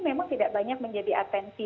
memang tidak banyak menjadi atensi